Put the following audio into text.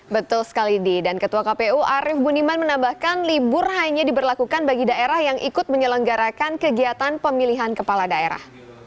betul sekali di dan ketua kpu arief budiman menambahkan libur hanya diberlakukan bagi daerah yang ikut menyelenggarakan kegiatan pemilihan kepala daerah